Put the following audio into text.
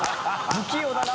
不器用だな